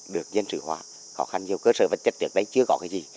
được dân sự hóa khó khăn nhiều cơ sở vật chất trước đây chưa có cái gì